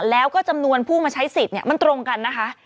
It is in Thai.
แล้วก็จำนวนผู้มาใช้สิทธิ์มันตรงกันนะคะ